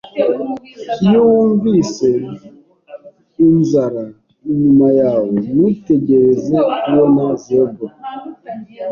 Iyo wunvise inzara inyuma yawe, ntutegereze kubona zebra.